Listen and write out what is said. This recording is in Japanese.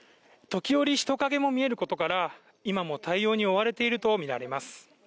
時折人影も見えることから今も対応に追われているとみられます。